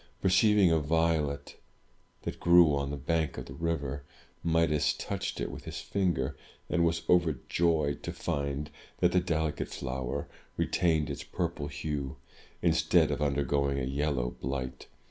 Perceiving a violet that grew on the bank of the river, Midas touched it with his finger, and was overjoyed to find that the delicate flower retained its purple hue, instead of undergoing a yellow blight.